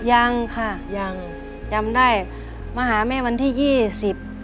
ยังค่ะยังจำได้มาหาแม่วันที่ยี่สิบ